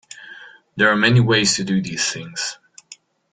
There are many ways to do these things.